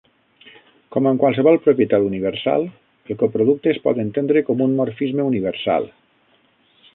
Com amb qualsevol propietat universal, el coproducte es pot entendre com un morfisme universal.